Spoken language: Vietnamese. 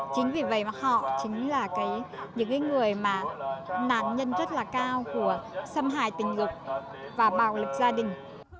chính vì vậy mà họ chính là những người mà nạn nhân rất là cao của xâm hại tình dục và bạo lực gia đình